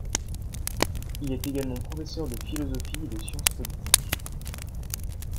Il est également professeur de philosophie et de sciences politiques.